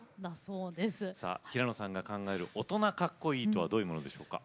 さあ平野さんが考える大人かっこいいとはどういうものでしょうか？